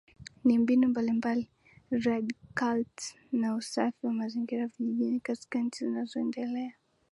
Ni mbinu mbalimbali radikalt na usafi wa mazingira vijijini katika nchi zinazoendelea